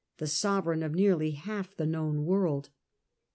the sovereign of nearly half the known world.